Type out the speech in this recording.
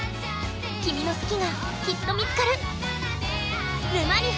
君の好きがきっと見つかる！